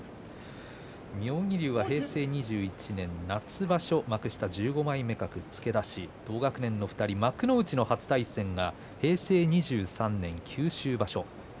妙義龍は平成２１年夏場所幕下１５枚目格付け出し同学年の２人、幕内初対戦は平成２３年九州場所です。